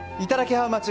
ハウマッチ。